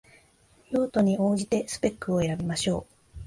用途に応じてスペックを選びましょう